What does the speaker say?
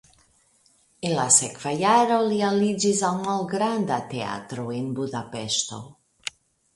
En la sekva jaro li aliĝis al malgranda teatro en Budapeŝto.